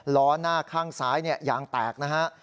ล้อหน้าข้างซ้ายยางแตกนะฮะ